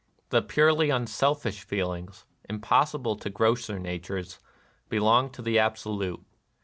The purely unselfish feelings, im possible to grosser natures, belong to the Absolute.